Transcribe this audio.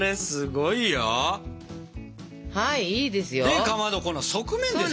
でかまどこの側面ですよ。